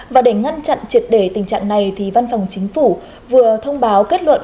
và để ngăn chặn triệt để tình trạng này thì văn phòng chính phủ vừa thông báo kết luận